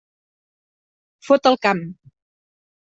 Fot el camp.